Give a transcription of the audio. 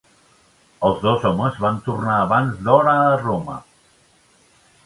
Els dos homes van tornar abans d'hora a Roma.